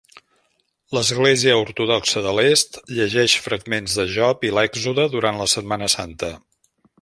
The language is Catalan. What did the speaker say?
L"Església ortodoxa de l"est llegeix fragments de Job i l"Èxode durant la Setmana Santa.